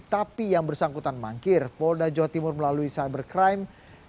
tapi yang bersangkutan mangkir polda jawa timur melalui cybercrime